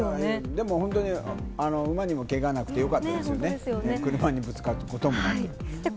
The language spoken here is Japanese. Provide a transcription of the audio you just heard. でも馬にも、けががなくてよかったですよね、車にぶつかるってこともね。